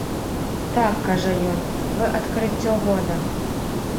Так, кажа ён, вы адкрыццё года.